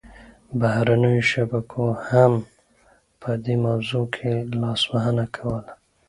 بهرنیو شبکو هم په دې موضوع کې لاسوهنه کوله